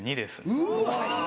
うわ！